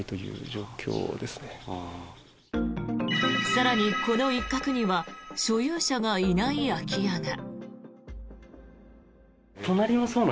更にこの一角には所有者がいない空き家が。